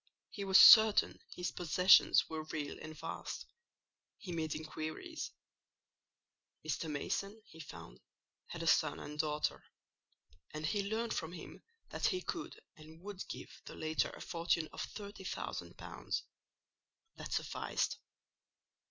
He was certain his possessions were real and vast: he made inquiries. Mr. Mason, he found, had a son and daughter; and he learned from him that he could and would give the latter a fortune of thirty thousand pounds: that sufficed.